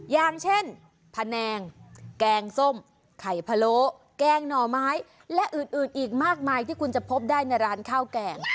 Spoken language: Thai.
อย่างเช่นพะแนงแกงส้มไข่พะโล้แกงหน่อไม้และอื่นอีกมากมายที่คุณจะพบได้ในร้านข้าวแกง